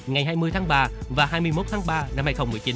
ngày hai mươi tháng ba và hai mươi một tháng ba năm hai nghìn một mươi chín